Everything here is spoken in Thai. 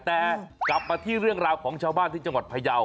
แต่กลับมาที่เรื่องราวของชาวบ้านที่จังหวัดพยาว